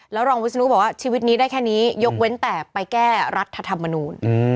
รองวิศนุบอกว่าชีวิตนี้ได้แค่นี้ยกเว้นแต่ไปแก้รัฐธรรมนูล